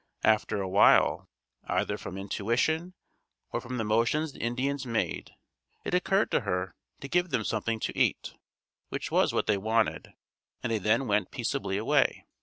After a while, either from intuition, or from the motions the Indians made, it occurred to her to give them something to eat, which was what they wanted and they then went peaceably away.